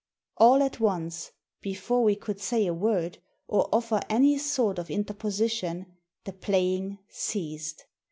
All at once, before we could say a word, or offer any sort of interposition, the playing ceased.